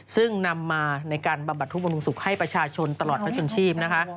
ซึ่งนำมาในการบับบัดทุกข์บนศุกร์ให้ประชาชนตลอดพระชนชีพ